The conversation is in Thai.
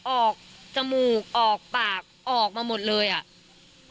ออกจมูกออกปากออกมาหมดเลยอ่ะ